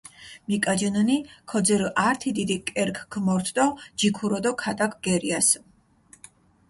მიკაჯინჷნი, ქოძირჷ ართი დიდი კერქჷ ქომორთჷ ჯიქურო დო ქატაკჷ გერიასჷ.